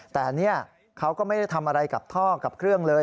แต่นี่เขาก็ไม่ได้ทำอะไรกับท่อกับเครื่องเลย